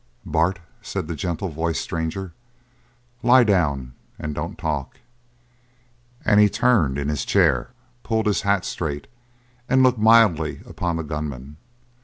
"Bart," said the gentle voiced stranger, "lie down and don't talk." And he turned in his chair, pulled his hat straight, and looked mildly upon the gunman.